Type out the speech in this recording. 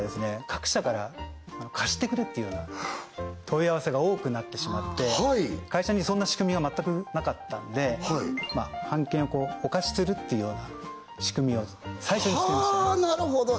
各社から「貸してくれ」っていうような問い合わせが多くなってしまって会社にそんな仕組みは全くなかったんで版権をお貸しするっていうような仕組みを最初に作りましたねはなるほど！